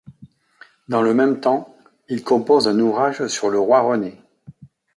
Dans le même temps, il compose un ouvrage sur le roi René.